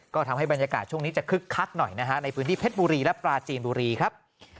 ก็ทำให้บรรยากาศช่วงนี้จะคึกคักหน่อยนะฮะในพื้นที่เพชรบุรีและปราจีนบุรีครับ